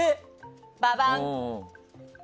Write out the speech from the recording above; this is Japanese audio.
ババン！